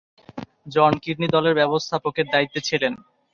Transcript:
জন Kidney দলের ব্যবস্থাপকের দায়িত্বে ছিলেন।